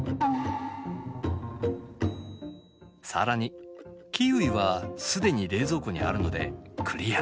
更にキウイは既に冷蔵庫にあるのでクリア。